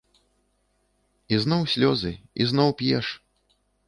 Ізноў слёзы, ізноў п'еш?